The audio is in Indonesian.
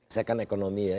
saya kan ekonomi ya